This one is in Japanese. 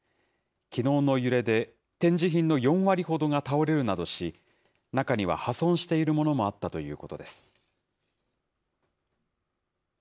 きのうの揺れで、展示品の４割ほどが倒れるなどし、中には破損しているものもあったということです。